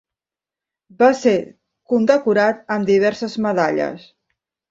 Va ser condecorat amb diverses medalles.